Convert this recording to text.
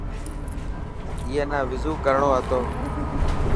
اي نا وضو ڪرڻو هي.